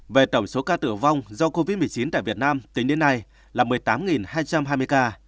về tổng số ca tử vong do covid một mươi chín tại việt nam tính đến nay là một mươi tám hai trăm hai mươi ca